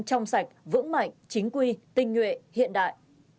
trong sạch vững mạnh chính quy tinh nguyện hiện đại